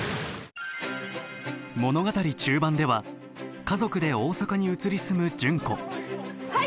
物語中盤では家族で大阪に移り住む純子はい！